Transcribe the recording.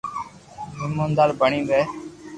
ايموندار بڻين رھي